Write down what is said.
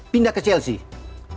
pindah ke chelsea